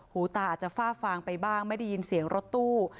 หูตาอาจจะฝ้าฟางไปบ้างไม่ได้ยินเสียงรถตู้